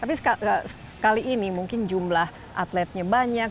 tapi kali ini mungkin jumlah atletnya banyak